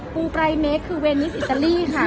งปลายเมคคือเวนิสอิตาลีค่ะ